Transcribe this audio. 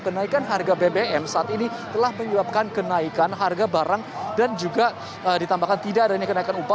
kenaikan harga bbm saat ini telah menyebabkan kenaikan harga barang dan juga ditambahkan tidak adanya kenaikan upah